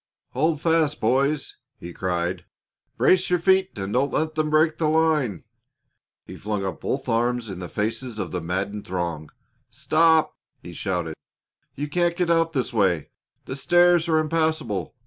"Hold fast, boys!" he cried. "Brace your feet and don't let them break the line!" He flung up both arms in the faces of the maddened throng. "Stop!" he shouted. "You can't get out this way. The stairs are impassable.